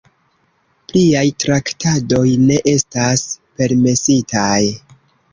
Pliaj traktadoj ne estas permesitaj.